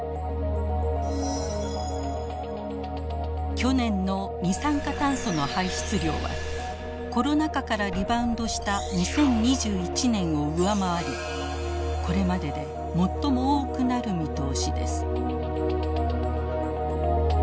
去年の二酸化炭素の排出量はコロナ禍からリバウンドした２０２１年を上回りこれまでで最も多くなる見通しです。